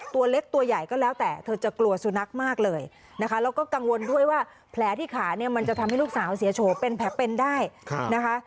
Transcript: ตัวเล็กตัวใหญ่ก็แล้วแต่เธอจะกลัวสุนัขมากเลยนะคะแล้วก็กังวลด้วยว่าแผลที่ขาเนี่ยมันจะทำให้ลูกสาวเสียโฉเป็นแผลเป็นได้นะคะ